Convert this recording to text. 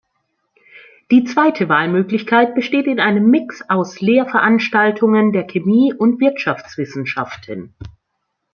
Die zweite Wahlmöglichkeit besteht in einem Mix aus Lehrveranstaltungen der Chemie und Wirtschaftswissenschaften.